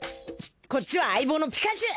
こっちは相棒のピカチュウ。